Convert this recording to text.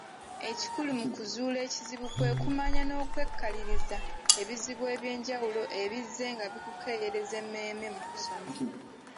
Ekikulu mu kuzuula ekizibu kwe kumanya n’okwekaliriza ebintu eby’enjawulo ebizzenga bikukeeyereza emmeeme mu kusoma.